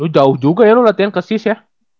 lu jauh juga ya lu latihan ke sis ya